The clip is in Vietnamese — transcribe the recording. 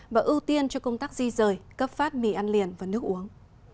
và ưu tiên cho công tác di rời cấp phát mì ăn liền và nước uống